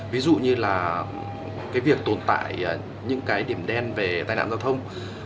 ví dụ như là cái việc tồn tại những cái điểm đen về tai nạn giao thông